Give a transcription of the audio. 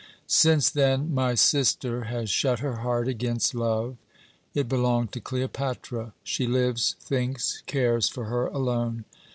Since then my sister has shut her heart against love. It belonged to Cleopatra. She lives, thinks, cares for her alone.